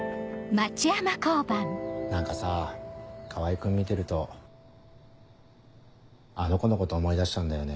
何かさ川合君見てるとあの子のこと思い出しちゃうんだよね。